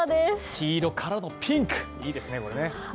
黄色からのピンク、いいですね、これね。